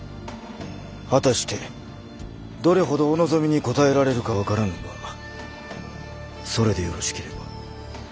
果たしてどれほどお望みに応えられるか分からぬがそれでよろしければ。